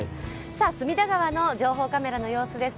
隅田川の情報カメラの様子です。